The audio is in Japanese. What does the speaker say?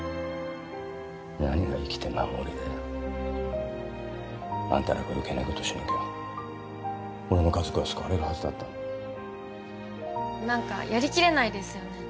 何が生きて守れだよあんたらが余計なことしなきゃ俺の家族は救われるはずだった何かやりきれないですよね